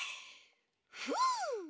ふう。